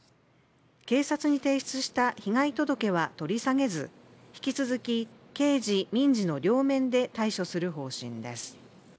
警察に提出した被害届は取り下げず引き続き刑事民事の両面で対処する方針です